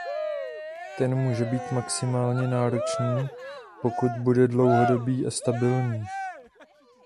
Ten může být maximálně náročný, pokud bude dlouhodobý a stabilní.